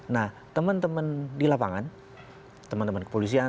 nah teman teman di lapangan teman teman kepolisian